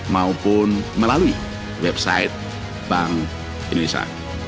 maupun melalui website bank indonesia